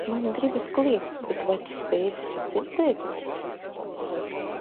... man gribas kliegt, bet vai tu spēsi sadzirdēt...